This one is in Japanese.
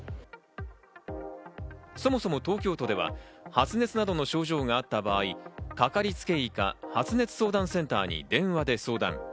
そもそも東京都では発熱などの症状があった場合、かかりつけ医が発熱相談センターに電話で相談。